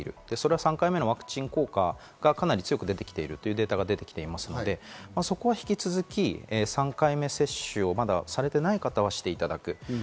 それは３回目のワクチン効果がかなり強く出てきているデータが出てきてますので、そこは引き続き３回目接種をまだされていない方はしていただく。